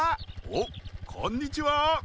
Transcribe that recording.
おっこんにちは！